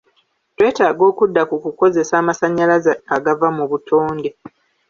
Twetaaga okudda ku kukozesa amasanyalaze agava mu butonde.